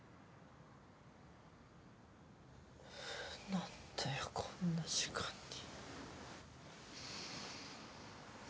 何だよこんな時間に。